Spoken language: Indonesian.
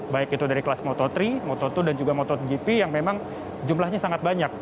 baik itu dari kelas moto tiga moto dua dan juga motogp yang memang jumlahnya sangat banyak